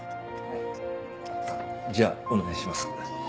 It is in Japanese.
じゃあお願いします。